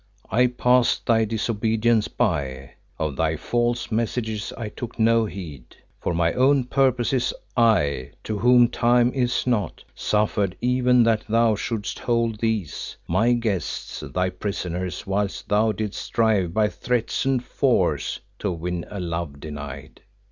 I passed thy disobedience by; of thy false messages I took no heed. For my own purposes I, to whom time is naught, suffered even that thou shouldst hold these, my guests, thy prisoners whilst thou didst strive by threats and force to win a love denied."